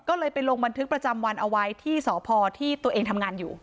ก็เลยไปลงบันทึกประจำวันเอาไว้ที่สพที่ตัวเองทำงานอยู่